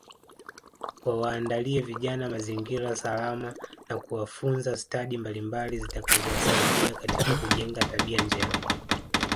Wawaandalie vijana mazingira salama na kuwafunza stadi mbalimbali zitakazowasaidia katika kujenga tabia njema